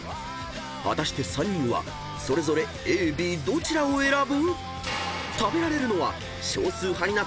［果たして３人はそれぞれＡＢどちらを選ぶ⁉］